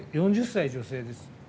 ４０歳女性です。